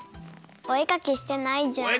おえかきしてないじゃん。